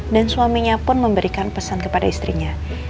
dan suaminya pun memberikan pesan kepada istrinya